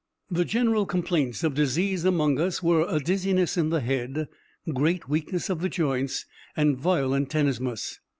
The general complaints of disease among us were a dizziness in the head, great weakness of the joints, and violent tenesmus.